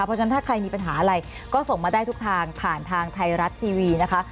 เพราะฉะนั้นถ้าใครมีปัญหาอะไรก็ส่งมาได้ทุกทางผ่านทางไทยรัฐทีวีนะคะ